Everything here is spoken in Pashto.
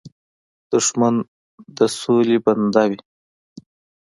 دښمن د سولې بنده وي